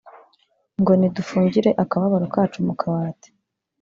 ngo nidufungire akababaro kacu mu kabati